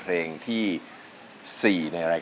เพลงที่๔รับ๖๐๐๐๐บาท